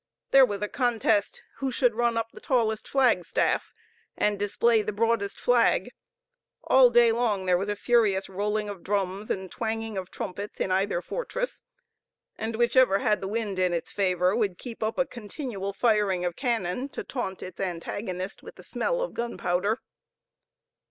There was a contest who should run up the tallest flag staff and display the broadest flag; all day long there was a furious rolling of drums and twanging of trumpets in either fortress, and, whichever had the wind in its favor, would keep up a continual firing of cannon, to taunt its antagonist with the smell of gunpowder.